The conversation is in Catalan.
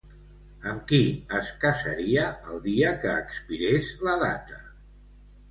Amb qui es casaria el dia que expirés la data?